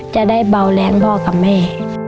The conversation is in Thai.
จะได้เบาแรงพ่อกับแม่